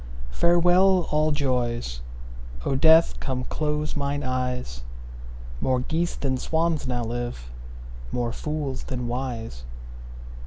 Farewell, all joys; O Death, come close mine eyes; More geese than swans now live, more fools than wise.